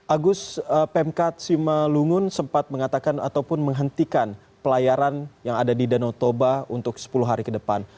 agus pemkat simalungun sempat mengatakan ataupun menghentikan pelayaran yang ada di danau toba untuk sepuluh hari ke depan